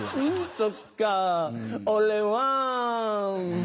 そっか俺は。